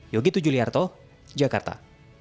yogi tujuliarto jakarta